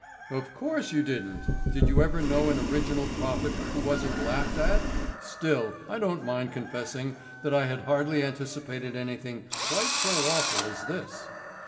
"Of course you didn't. Did you ever know an original prophet who wasn't laughed at? Still, I don't mind confessing that I hardly anticipated anything quite so awful as this.